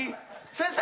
先生！